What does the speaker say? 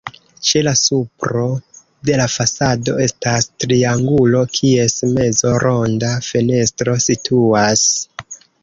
Ĉe la supro de la fasado estas triangulo, kies mezo ronda fenestro situas.